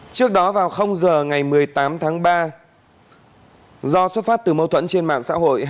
trước đó vào giờ ngày một mươi tám tháng ba do xuất phát từ mâu thuẫn trên mạng xã hội